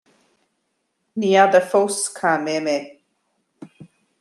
ní fheadar fós cá mbeidh mé